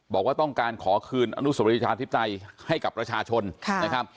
บอกว่าต้องการขอคืนอนุสวรีประชาธิปไตยให้กับประชาชนนะครับ